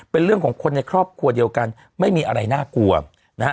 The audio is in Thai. เป็นเรื่องของคนในครอบครัวเดียวกันไม่มีอะไรน่ากลัวนะฮะ